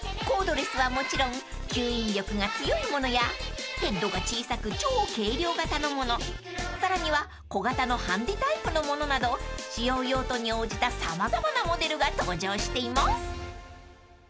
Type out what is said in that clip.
［コードレスはもちろん吸引力が強いものやヘッドが小さく超軽量型のものさらには小型のハンディータイプのものなど使用用途に応じた様々なモデルが登場しています］